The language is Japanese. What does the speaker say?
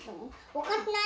おかしくない？